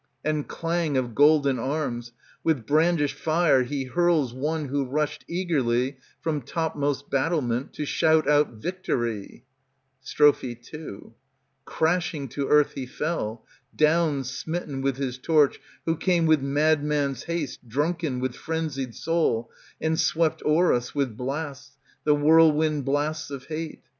I 145 « ANTIGONE And clang of golden arms, ^ With brandished fire he hurls One who rushed eagerly From topmost battlement To shout out, " Victory I " Strophe II Crashing to earth he fell,^ Down smitten, with his torch, Who came, with madman's haste, Drunken, with frenzied soul, And swept o'er us with blasts, The whirlwind blasts of hate.